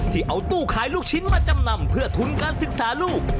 ที่เอาตู้ขายลูกชิ้นมาจำนำเพื่อทุนการศึกษาลูก